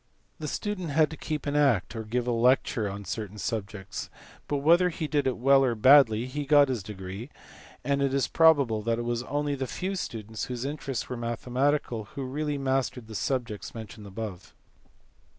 The student had to keep an act or give a lecture on certain subjects, but whether he did it well or badly he got his degree, and it is probable that it was only the few students whose interests were mathematical who really mastered the subjects mentioned above.